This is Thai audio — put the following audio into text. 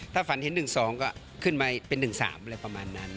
ถ้าฝันเห็น๑๒ก็ขึ้นมาเป็น๑๓อะไรประมาณนั้น